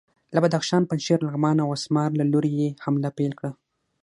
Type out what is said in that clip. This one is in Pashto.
له بدخشان، پنجشیر، لغمان او اسمار له لوري یې حمله پیل کړه.